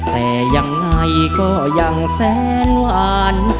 แต่ยังไงก็ยังแสนหวาน